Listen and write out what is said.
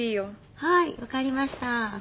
はい分かりました。